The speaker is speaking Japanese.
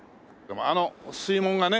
あの水門がね